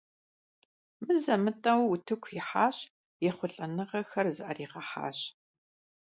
Мызэ-мытӀэу утыку ихьащ, ехъулӀэныгъэхэр зыӀэрагъэхьащ.